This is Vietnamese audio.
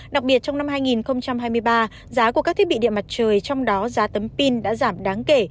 đặc biệt trong năm hai nghìn hai mươi ba giá của các thiết bị điện mặt trời trong đó giá tấm pin đã giảm đáng kể